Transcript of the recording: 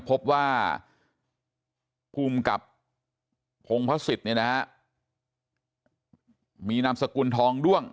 พบว่าภูมิกับพงพฤศิษฐฯมีนามสกุลทองด้วง